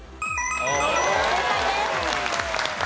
正解です。